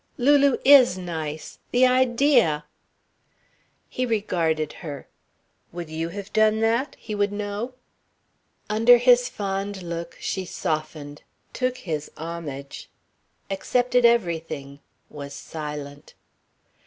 Lulu is nice. The idea!" He regarded her. "Would you have done that?" he would know. Under his fond look, she softened, took his homage, accepted everything, was silent.